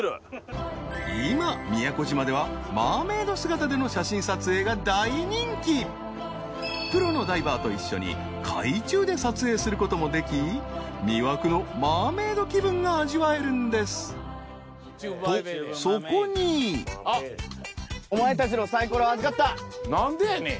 今宮古島ではマーメイド姿での写真撮影が大人気プロのダイバーと一緒に海中で撮影することもでき魅惑のマーメイド気分が味わえるんですとそこに何でやねん？